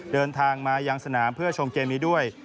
เดินทางมายังสนามเพื่อชมเกมนี้ด้วย